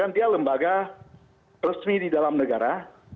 dia lembaga resmi di dalam negara